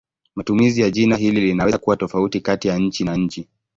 Matumizi ya jina hili linaweza kuwa tofauti kati ya nchi na nchi.